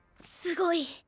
すごい。